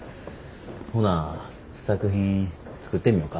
ほな試作品作ってみよか。